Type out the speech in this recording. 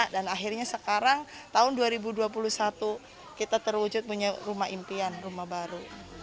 dan akhirnya sekarang tahun dua ribu dua puluh satu kita terwujud punya rumah impian rumah baru